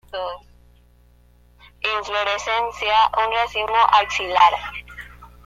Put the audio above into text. Inflorescencia un racimo axilar.